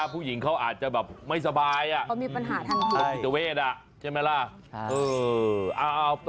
ผู้หญิงเขาอาจไม่สบาย